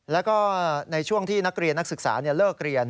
แล้วก็ในช่วงที่นักเรียนนักศึกษาเลิกเรียน